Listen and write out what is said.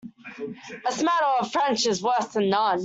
A smatter of French is worse than none.